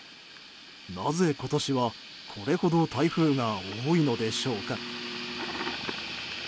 なぜ今年は、これほど台風が多いのでしょうか。